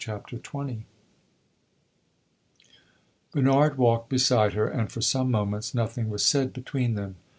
CHAPTER XX Bernard walked beside her, and for some moments nothing was said between them.